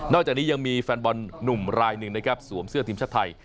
จากนี้ยังมีแฟนบอลหนุ่มรายหนึ่งนะครับสวมเสื้อทีมชาติไทย